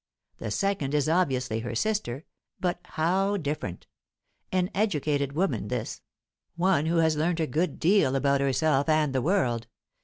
The second is obviously her sister, but how different! An educated woman, this; one who has learnt a good deal about herself and the world.